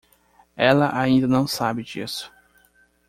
Ela ainda não sabe disso.